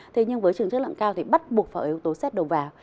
thế nhưng với trường chất lượng cao thì bắt buộc phải yếu tố xét đầu vào